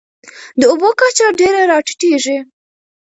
د اوبو کچه ډېره راټیټېږي.